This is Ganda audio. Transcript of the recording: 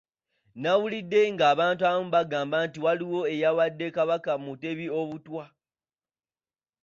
Nawulidde ng'abantu abamu bagamba nti waliwo eyawadde Kabaka Mutebi Obutwa.